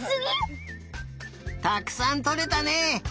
たくさんとれたね。